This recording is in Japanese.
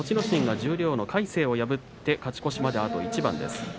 心が十両の魁聖を破って勝ち越しまであと一番です。